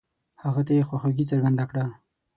هغه ته يې خواخوږي څرګنده کړه.